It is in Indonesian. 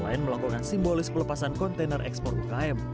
selain melakukan simbolis pelepasan kontainer ekspor ukm